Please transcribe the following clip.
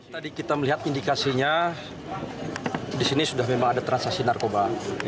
tadi kita melihat indikasinya di sini sudah memang ada transaksi narkoba